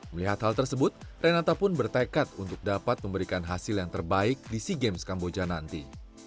melihat hal tersebut renata pun bertekad untuk dapat memberikan hasil yang terbaik di sea games kamboja nanti